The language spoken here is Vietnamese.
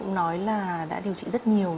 cũng nói là đã điều trị rất nhiều